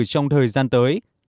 trong thời gian tới